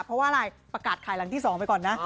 เพราะว่าอะไรประกาศขายหลังที่๒ไปก่อนนะ